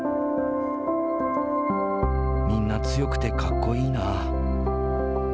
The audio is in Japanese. みんな強くて格好いいな。